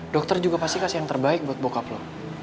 dokter juga pasti kasih yang terbaik buat bokap loh